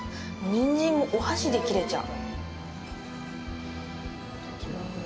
ニンジンもお箸で切れちゃう。